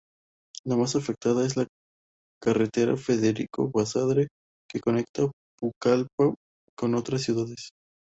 La más afectada es la carretera Federico Basadre, que conecta Pucallpa con otras ciudades.